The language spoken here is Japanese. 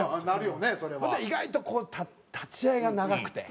ほんで意外とこう立ち合いが長くて。